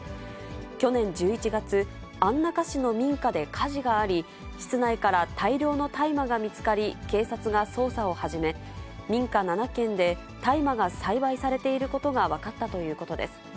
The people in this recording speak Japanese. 去年１１月、安中市の民家で火事があり、室内から大量の大麻が見つかり、警察が捜査を始め、民家７軒で大麻が栽培されていることが分かったということです。